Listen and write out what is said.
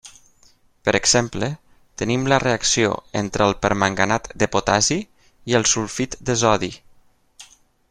Per exemple, tenim la reacció entre el permanganat de potassi i el sulfit de sodi.